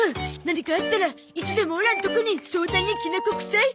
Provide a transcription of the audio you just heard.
何かあったらいつでもオラんとこに相談にきなこくさい。